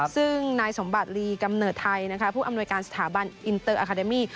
ซึ่งนายสมบัติลีกำเนิดไทยผู้อำนวยการสถาบันอินเตอร์อาคาเดมี่